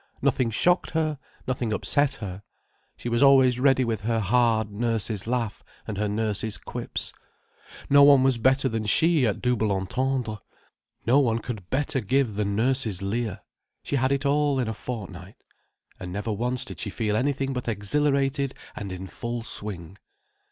Nothing shocked her, nothing upset her. She was always ready with her hard, nurse's laugh and her nurse's quips. No one was better than she at double entendres. No one could better give the nurse's leer. She had it all in a fortnight. And never once did she feel anything but exhilarated and in full swing.